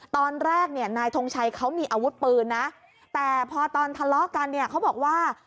ตอนแรกเนี่ยนายทงชัยเขามีอาวุธปืนนะแต่พอตอนทะเลาะกันเนี่ยเขาบอกว่า